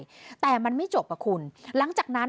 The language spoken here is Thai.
สุดทนแล้วกับเพื่อนบ้านรายนี้ที่อยู่ข้างกัน